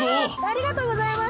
ありがとうございます。